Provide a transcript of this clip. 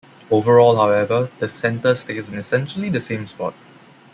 Overall, however, the "center" stays in essentially the same spot.